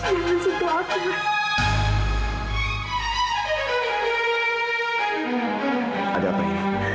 aku tak bisa berpikir